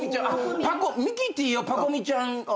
ミキティをパコ美ちゃん。